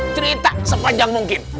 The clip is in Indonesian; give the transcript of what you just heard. cerita sepanjang mungkin